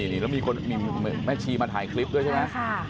อ่านี่แล้วมีคนมีแม่ชีมาถ่ายคลิปด้วยใช่ไหมใช่ค่ะ